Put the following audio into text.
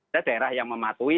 daerah yang mematuhi